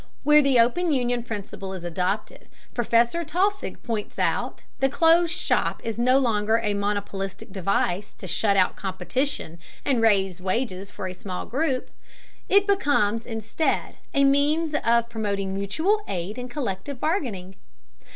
Where the open union principle is adopted, Professor Taussig points out, the closed shop is no longer a monopolistic device to shut out competition and raise wages for a small group. It becomes, instead, a means of promoting mutual aid and collective bargaining.